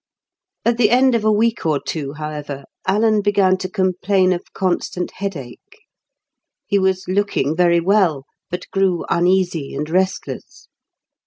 At the end of a week or two, however, Alan began to complain of constant headache. He was looking very well, but grew uneasy and restless.